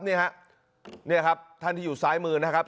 นี่ฮะนี่ครับท่านที่อยู่ซ้ายมือนะครับ